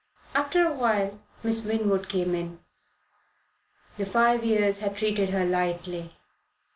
After a while Miss Winwood came in. The five years had treated her lightly.